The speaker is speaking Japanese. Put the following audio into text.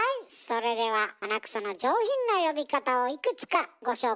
それでは鼻くその上品な呼び方をいくつかご紹介します。